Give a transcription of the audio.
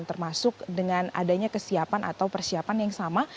termasuk dengan adanya kesiapan atau persiapan yang sama